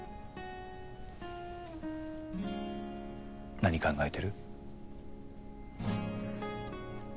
何考えてる？